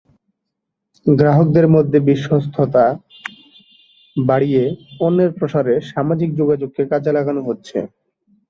গ্রাহকদের মধ্যে বিশ্বস্ততা বাড়িয়ে পণ্যের প্রসারে সামাজিক যোগাযোগকে কাজে লাগানো হচ্ছে।